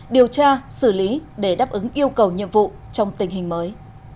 điều tra xử lý để đáp ứng yêu cầu nhiệm vụ trong tình hình mới